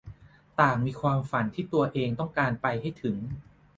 ต่างมีความฝันที่ตัวเองต้องการไปให้ถึง